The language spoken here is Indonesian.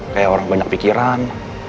kayak orang banyak pikiran